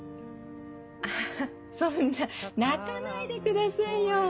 あそんな泣かないでくださいよ。